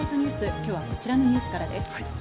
今日はこちらのニュースからです。